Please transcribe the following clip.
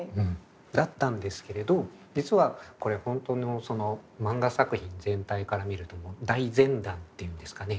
だったんですけれど実はこれ本当の漫画作品全体から見ると大前段っていうんですかね